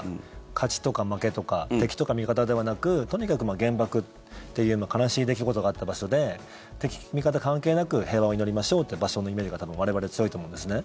勝ちとか負けとか敵とか味方ではなくとにかく原爆っていう悲しい出来事があった場所で敵味方関係なく平和を祈りましょうって場所のイメージが多分我々、強いと思うんですね。